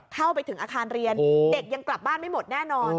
เข้าไปถึงอาคารเรียนเด็กยังกลับบ้านไม่หมดแน่นอน